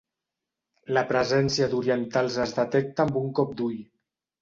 La presència d'orientals es detecta amb un cop d'ull.